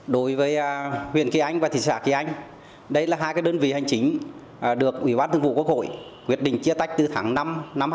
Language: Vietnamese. đối với huyện kỳ anh và thị xã kỳ anh đây là hai đơn vị hành chính được ủy ban thường vụ quốc hội quyết định chia tách từ tháng năm năm hai nghìn một mươi ba